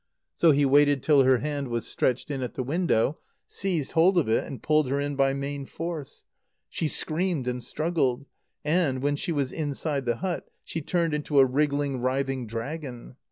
So he waited till her hand was stretched in at the window, seized hold of it, and pulled her in by main force. She screamed and struggled; and, when she was inside the hut, she turned into a wriggling, writhing dragon.